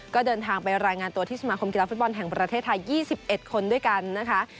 ก็เดินทางไปรายงานตัวที่สมาคมกีโลฟิฟต์บอลแขมประเทศไทยยี่สิบเอ็ดคนด้วยกันนะคะ